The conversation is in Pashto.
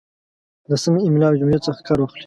د سمې املا او جملې څخه کار واخلئ